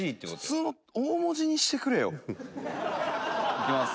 「いきます。